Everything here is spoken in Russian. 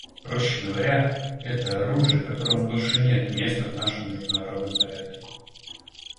Проще говоря, это оружие, которому больше нет места в нашем международном порядке.